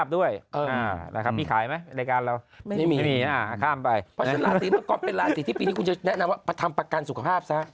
เพราะฉะนั้นราศีมังกรเป็นราศีที่ปีนี้คุณจะแนะนำว่าทำประกันสุขภาพซะ